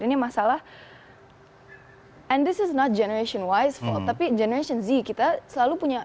ini masalah and this is not generation wise for tapi generation z kita selalu punya